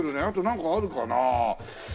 あとなんかあるかなあ。